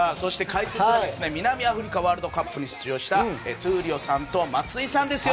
解説は南アフリカワールドカップに出場した闘莉王さんと松井さんです。